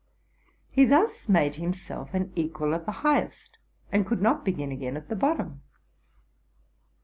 He had thus made himself an equal of the highest, and could not begin again at the bottom.